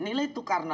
nilai tukar nelayan